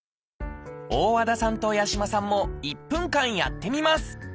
大和田さんと八嶋さんも１分間やってみます